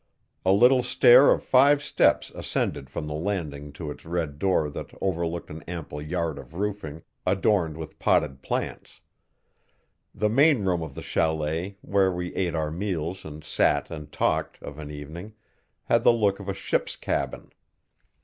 A little stair of five steps ascended from the landing to its red door that overlooked an ample yard of roofing, adorned with potted plants. The main room of the chalet where we ate our meals and sat and talked, of an evening, had the look of a ship's cabin.